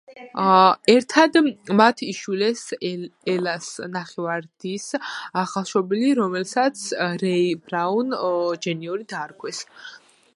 ერთად მათ იშვილეს ელას ნახევარ-დის ახალშობილი, რომელსაც რეი ბრაუნ ჯუნიორი დაარქვეს.